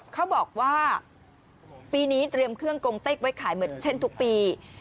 เขาบอกว่าปีนี้เตรียมเครื่องกงเต็กไว้ขายเหมือนเช่นทุกปี